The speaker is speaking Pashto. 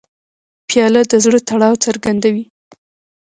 پیاله د زړه تړاو څرګندوي.